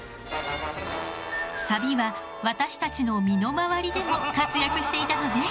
サビは私たちの身の回りでも活躍していたのね。